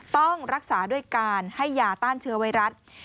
ต้องรักษาด้วยการให้ยาต้านเชื้อไวรัส